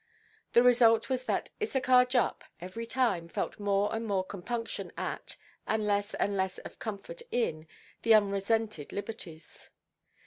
The result was that Issachar Jupp, every time, felt more and more compunction at, and less and less of comfort in, the unresented liberties.